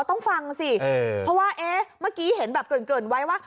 ต้องฟังสิเพราะว่าเอ๊ะเมื่อกี้เห็นแบบเกริ่นไว้ว่า